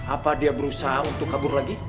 apa dia berusaha untuk kabur lagi